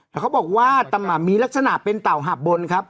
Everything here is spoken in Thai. แล้วเขาบอกว่ามีลักษณะเป็นเต่าหับบนครับ